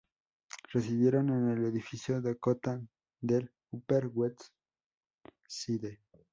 Residieron en el Edificio Dakota del Upper West Side.